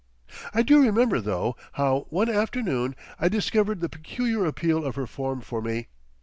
I do remember, though, how one afternoon I discovered the peculiar appeal of her form for me.